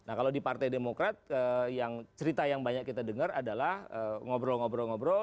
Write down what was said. nah kalau di partai demokrat yang cerita yang banyak kita dengar adalah ngobrol ngobrol ngobrol